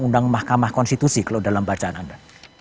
undang mahkamah konstitusi kalau dalam bacaan anda